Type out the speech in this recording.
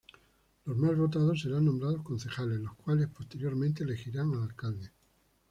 Los más votados serán nombrados concejales, los cuales, posteriormente, elegirán al alcalde.